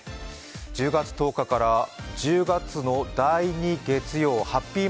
１０月１０日から１０月の第２月曜ハッピー